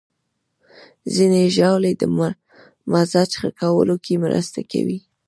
ځینې ژاولې د مزاج ښه کولو کې مرسته کوي.